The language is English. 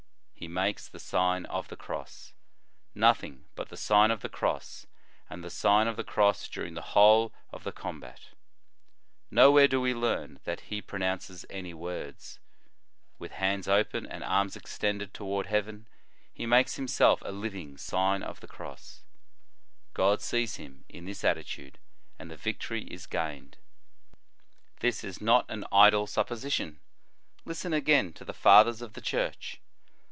He makes the Sign of the Cross, nothing but the Sign of the Cross, and the Sign of the Cross during the whole of the * De Fib. orthocL, lib. iv. c. 12. f De Baptism. 96 The Sign of the Cross combat. Nowhere do we learn that he pro nounces any words. With hands open, and arms extended toward heaven, he makes him self a living Sign of the Cross. God sees him in this attitude, and the victory is gained.* This is not an idle supposition. Listen again to the Fathers of the Church.